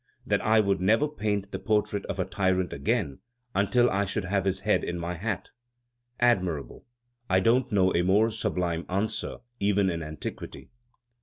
"That I would never paint the portrait of a tyrant again until I should have his head in my hat." "Admirable! I don't know a more sublime answer, even in antiquity."